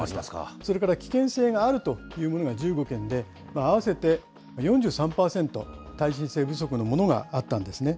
それから危険性があるというものが１５件で、合わせて４３％、耐震性不足のものがあったんですね。